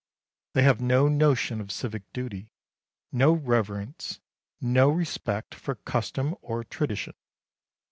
They have no notion of civic duty; no reverence, no respect for custom or tradition.